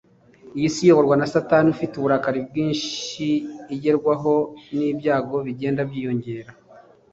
Iyi si iyoborwa na Satani ufite uburakari bwinshi igerwaho n’ibyago bigenda byiyongera